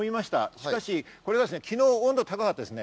しかし、これが昨日、温度が高かったですね。